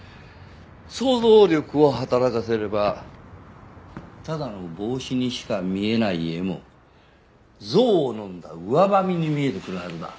想像力を働かせればただの帽子にしか見えない絵もゾウを飲んだウワバミに見えてくるはずだ。